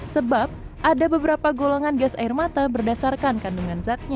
sebab ada beberapa golongan gas air mata berdasarkan kandungan zatnya